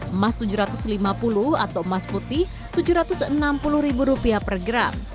emas tujuh ratus lima puluh atau emas putih tujuh ratus enam puluh ribu rupiah per gram